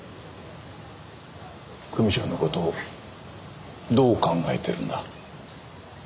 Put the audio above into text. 久美ちゃんのことどう考えてるんだ？